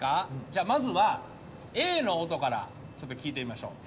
じゃあまずはＡの音からちょっと聴いてみましょう。